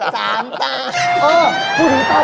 สามตา